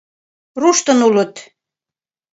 Руштын улыт.